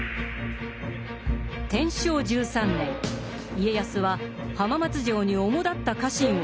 天正１３年家康は浜松城に主だった家臣を集めた。